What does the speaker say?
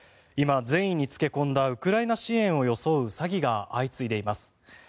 今、善意につけ込んだウクライナ支援を装う詐欺が相次いでいます。